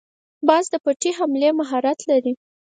باز د پټې حملې مهارت لري